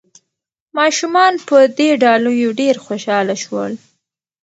ماشومان په دې ډالیو ډېر خوشاله شول.